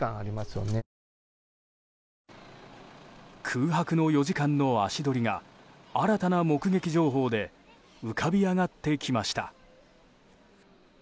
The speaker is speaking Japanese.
空白の４時間の足取りが新たな目撃情報で浮かび上がってきました。